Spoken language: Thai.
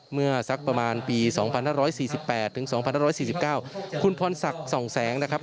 เมื่อสักประมาณปี๒๕๔๘ถึง๒๕๔๙คุณพรศักดิ์ส่องแสงนะครับ